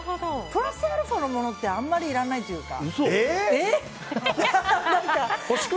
プラスアルファのものってあんまりいらないというか。